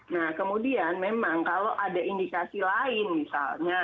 nah kemudian memang kalau ada indikasi lain misalnya